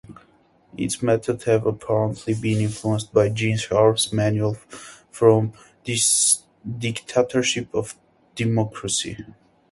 Its methods have apparently been influenced by Gene Sharp's manual "From Dictatorship to Democracy".